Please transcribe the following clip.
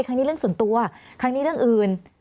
ครั้งนี้เรื่องส่วนตัวครั้งนี้เรื่องอื่น